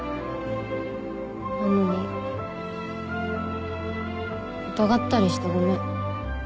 なのに疑ったりしてごめん。